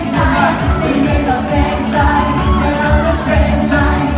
ไม่มีหลักเตรียมใจไม่เอาหลักเตรียมใจ